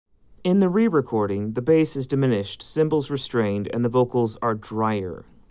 In the re-recording the bass is diminished, cymbals restrained, and the vocals are "drier".